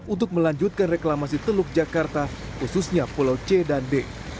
untuk melanjutkan reklamasi teluk jakarta khususnya pulau c dan d